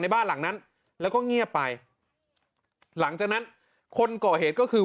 บ้านหลังนั้นแล้วก็เงียบไปหลังจากนั้นคนก่อเหตุก็คือ